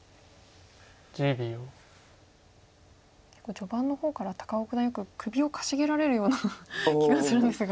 序盤の方から高尾九段よく首をかしげられるような気がするんですが。